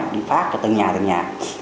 đi phát từng nhà từng nhà